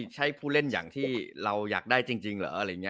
ใช่ผู้เล่นอย่างที่เราอยากได้จริงเหรออะไรอย่างนี้